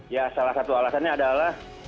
ya salah satu alasannya adalah